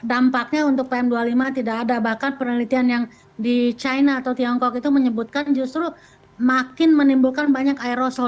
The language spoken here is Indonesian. dampaknya untuk pm dua puluh lima tidak ada bahkan penelitian yang di china atau tiongkok itu menyebutkan justru makin menimbulkan banyak aerosol